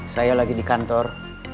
saya lagi di kantor